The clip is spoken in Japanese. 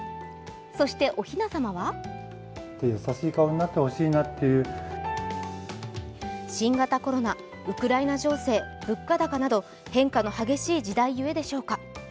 そしておひなさまは新型コロナ、ウクライナ情勢物価高など、変化の激しい時代ゆえでしょうか。